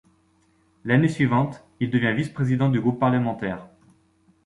L'année suivante, il devient vice-président du groupe parlementaire.